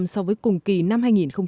so với cùng kỳ năm hai nghìn một mươi tám